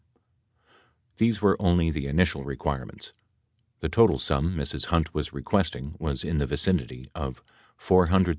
These were only the initial requirements. The total sum Mrs. Hunt was requesting was in the vicinity of $400,000 $450,000.